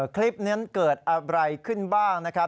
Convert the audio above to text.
คลิปนั้นเกิดอะไรขึ้นบ้างนะครับ